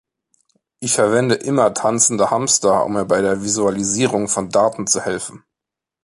Ich verwende immer Tanzende Hamster, um mir bei der Visualisierung von Daten zu helfen.